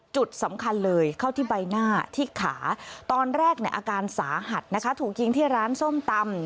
จุดสำคัญเลยเข้าที่ใบหน้าที่ขาตอนแรกเนี่ยอาการสาหัสนะคะถูกยิงที่ร้านส้มตำ